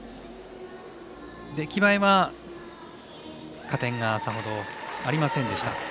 出来栄えは加点がさほどありませんでした。